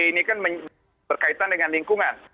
ini kan berkaitan dengan lingkungan